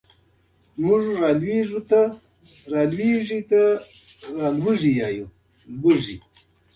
له احمده سودا مه اخلئ؛ هغه بېخي کفنونه کاږي.